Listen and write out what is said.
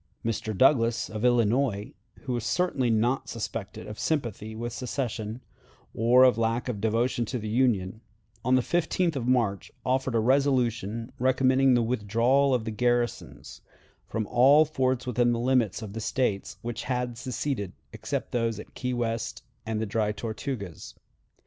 Mr. Douglas, of Illinois who was certainly not suspected of sympathy with secession, or lack of devotion to the Union on the 15th of March offered a resolution recommending the withdrawal of the garrisons from all forts within the limits of the States which had seceded, except those at Key West and the Dry Tortugas.